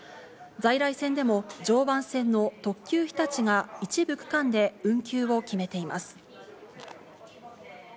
在来線でも常磐線の特急ひたちが一部区間で運休を決めています。